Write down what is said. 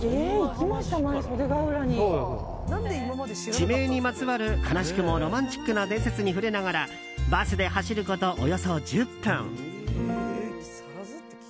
地名にまつわる、悲しくもロマンチックな伝説に触れながらバスで走ること、およそ１０分。